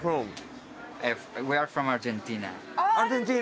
あっアルゼンチン！